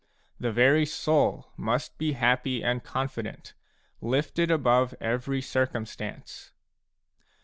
The very soul must be happy and confident, lifted above every circumstance.